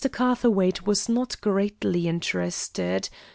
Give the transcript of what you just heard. Catherwaight was not greatly interested.